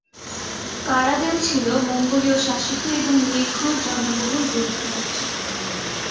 কারা দেল ছিল মঙ্গোলীয় শাসিত এবং উইঘুর জনবহুল বৌদ্ধ রাজ্য।